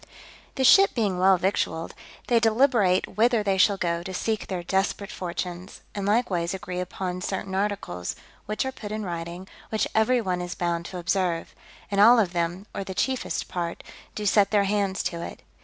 The ship being well victualled, they deliberate whither they shall go to seek their desperate fortunes, and likewise agree upon certain articles, which are put in writing, which every one is bound to observe; and all of them, or the chiefest part, do set their hands to it.